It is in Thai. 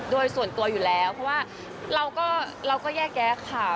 โดยส่วนตัวอยู่แล้วเพราะว่าเราก็แยกแยะข่าว